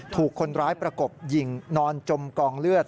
ถูกคนร้ายประกบยิงนอนจมกองเลือด